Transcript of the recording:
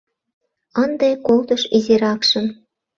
Ынде колтыш изиракшым..